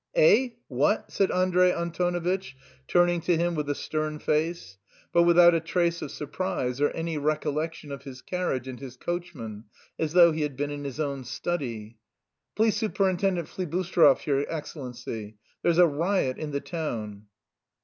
"Eh? What?" said Andrey Antonovitch, turning to him with a stern face, but without a trace of surprise or any recollection of his carriage and his coachman, as though he had been in his own study. "Police superintendent Flibusterov, your Excellency. There's a riot in the town."